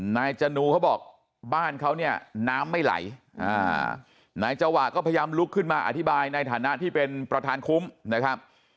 นายจนูเขาบอกบ้านเขาเนี่ยน้ำไม่ไหลนายจวะก็พยายามลุกขึ้นมาอธิบายในฐานะที่เป็นประธานคุ้มนะครับ